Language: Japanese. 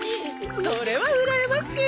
それはうらやましい！